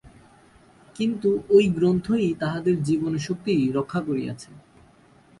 কিন্তু ঐ গ্রন্থই তাহাদের জীবনীশক্তি রক্ষা করিয়াছে।